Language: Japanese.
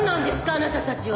あなたたちは！